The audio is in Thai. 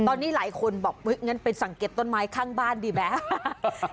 ตอนนี้หลายคนบอกว่ายังไงไปสังเกตต้นไม้ข้างบ้านดิแม่โอเห้ย